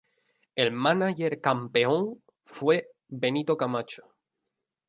El mánager campeón fue Benito Camacho.